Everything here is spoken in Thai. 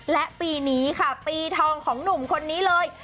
และปีนี้ค่ะปีทองของหนุ่มคนนี้เลย